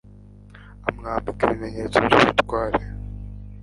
amwambika ibimenyetso by'ubutware